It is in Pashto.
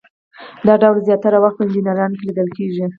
دا ډول زیاتره وخت په انجینرانو کې لیدل کیږي.